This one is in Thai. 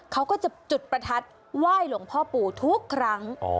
เขาก็จะจุดประทัดไหว้หลวงพ่อปู่ทุกครั้ง